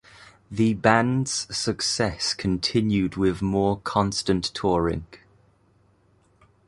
The band's success continued with more constant touring.